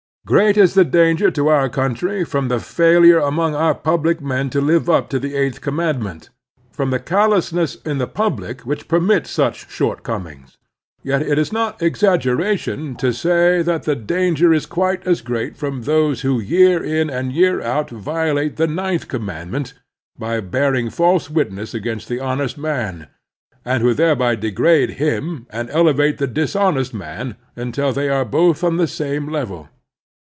Great is the danger to our cotmtry from the failure among our public men to live up to the eighth commandment, from the callousness in the public which permits such shortcomings. Yet it is not exaggeration to say that the danger is quite as great from those who year in and year out violate the ninth commandment by bearing false witness against the honest man, and who thereby degrade him and elevate the dishonest man imtil they are both on the same level.